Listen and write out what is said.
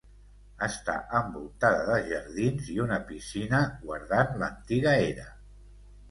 Està envoltada de jardins i una piscina guardant l'antiga era.